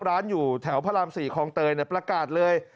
ร้านอยู่แถวพระราม๔คลองเตยประกาศเลย